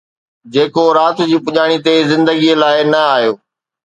جيڪو رات جي پڄاڻيءَ تي زندگيءَ لاءِ نه آيو